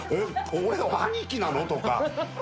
俺は兄貴なの？とか。